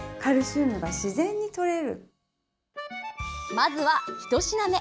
まずは、ひと品目！